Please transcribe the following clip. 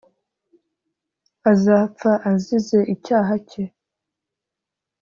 azapfa azize icyaha cye